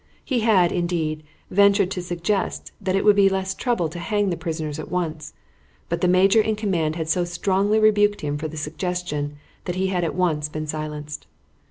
He had, indeed, ventured to suggest that it would be less trouble to hang the prisoners at once, but the major in command had so strongly rebuked him for the suggestion that he had at once been silenced.